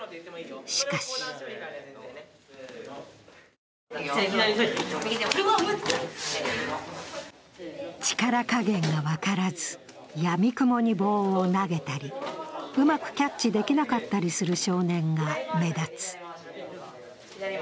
しかし力加減が分からずやみくもに棒を投げたり、うまくキャッチできなかったりする少年が目立つ。